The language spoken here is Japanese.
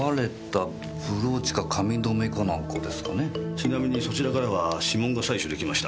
ちなみにそちらからは指紋が採取出来ました。